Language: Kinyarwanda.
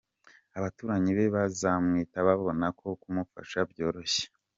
Abaturanyi ba Nzabamwita babona kumufasha byoroshye.